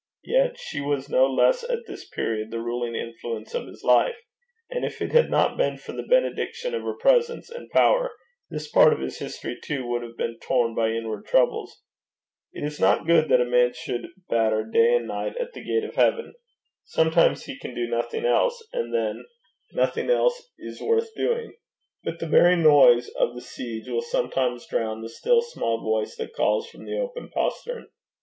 Yet she was no loss at this period the ruling influence of his life; and if it had not been for the benediction of her presence and power, this part of his history too would have been torn by inward troubles. It is not good that a man should batter day and night at the gate of heaven. Sometimes he can do nothing else, and then nothing else is worth doing; but the very noise of the siege will sometimes drown the still small voice that calls from the open postern.